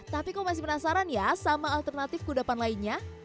tapi kok masih penasaran ya sama alternatif kudapan lainnya